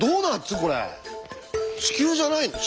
地球じゃない。